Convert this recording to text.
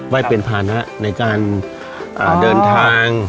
เป็นภานะในการเดินทาง